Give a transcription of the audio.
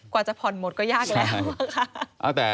กว่าจะผ่อนหมดก็ยากแล้วนะคะ